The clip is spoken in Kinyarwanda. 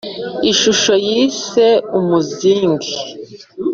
ishusho yise umuzingi